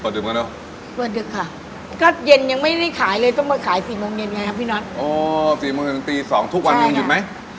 อ๋อ๔ตอนนี้ตอนที่๒ทุกวันมีวันหยุดไหม